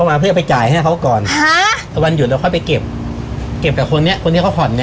แล้วเราใช้ชีวิตยังไงช่วงนั้น